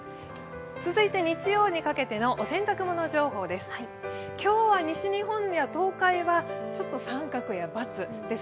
続いて日曜にかけてのお洗濯物情報です。